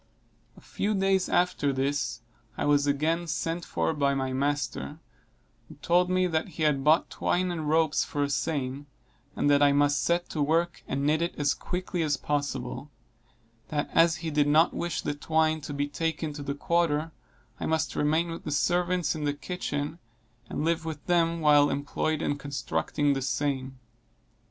A few days after this, I was again sent for by my master, who told me that he had bought twine and ropes for a seine, and that I must set to work and knit it as quickly as possible; that as he did not wish the twine to be taken to the quarter, I must remain with the servants in the kitchen, and live with them while employed in constructing the seine.